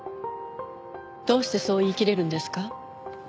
どうしてそう言いきれるんですか？